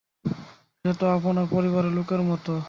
সে তো আপনার পরিবারের লোকের মতো।